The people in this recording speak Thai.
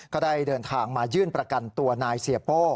ก็ได้เดินทางมายื่นประกันตัวนายเสียโป้